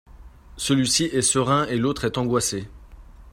Celui-ci est serein et l'autre est angoissé.